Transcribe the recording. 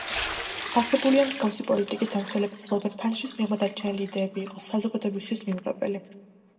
არსებული ან მსგავსი პოლიტიკის დამცველები ცდილობენ ფანჯრის მიღმა დარჩენილი იდეები იყოს საზოგადოებისთვის მიუღებელი.